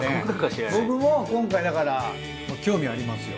僕も今回だから興味ありますよ。